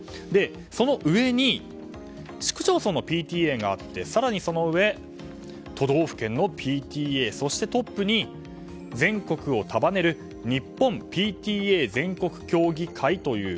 その上に市区町村のＰＴＡがあって更にその上、都道府県のＰＴＡそしてトップに全国を束ねる日本ＰＴＡ全国協議会という。